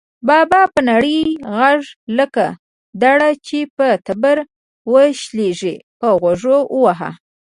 بابا په نري غږ لکه دړه چې په تبر وشلېږي، په غوږ وواهه.